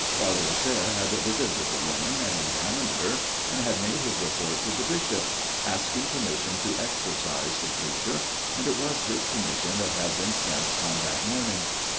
Father Lasserre had visited the woman and examined her, and had made his report to the bishop, asking permission to exorcise the creature, and it was this permission that had been sent on that morning.